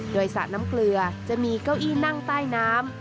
โดยสระน้ำเกลือจะมีเก้าอี้นั่งใต้น้ำ